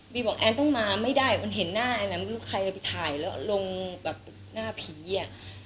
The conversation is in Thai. บอกแอนต้องมาไม่ได้มันเห็นหน้าแอนไม่รู้ใครเอาไปถ่ายแล้วลงแบบหน้าผีอ่ะ